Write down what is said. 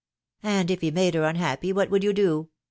"And if he made her unhappy, what would you do?"